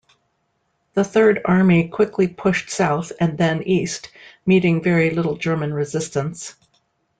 The Third Army quickly pushed south and then east, meeting very little German resistance.